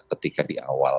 ketika di awal